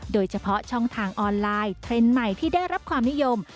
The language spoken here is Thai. โดยเฉพาะช่องทางออนไลน์เทรนด์ใหม่ที่ได้รับความนิยม